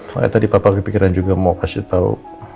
makanya tadi papa kepikiran juga mau kasih tau